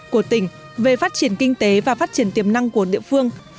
của tỉnh về phát triển kinh tế và phát triển tiềm năng của địa phương